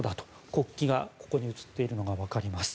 国旗がここに写っているのがわかります。